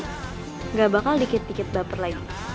tidak bakal dikit dikit baper lagi